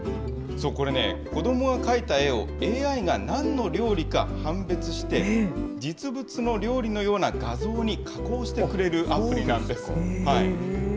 そう、これね、子どもが描いた絵をＡＩがなんの料理か判別して、実物の料理のような画像に加工してくれるアプリなんです。